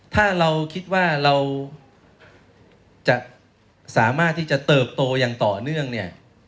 ถ้าเราคิดว่าเราจะสามารถที่จะเติบโตอย่างต่อเนื่องเนี่ย